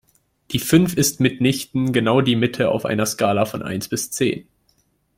Die Fünf ist mitnichten genau die Mitte auf einer Skala von eins bis zehn.